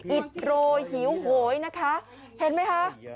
อิดโรยหิวโหยนะคะเห็นไหมคะ